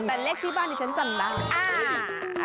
แต่เลขที่บ้านดิฉันจำดังอ่า